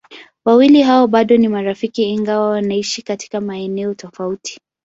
Wawili hao bado ni marafiki ingawa wanaishi katika maeneo tofauti.